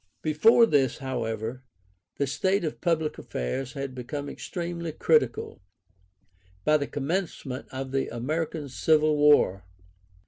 Before this, however, the state of public affairs had become extremely critical, by the commencement of the American civil war.